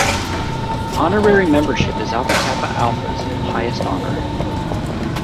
Honorary membership is Alpha Kappa Alpha's highest honor.